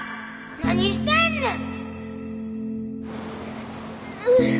何してんねん！